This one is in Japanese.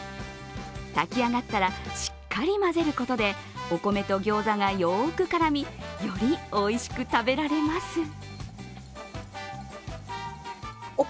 炊き上がったら、しっかり混ぜることでお米とギョーザがよく絡みよりおいしく食べられます。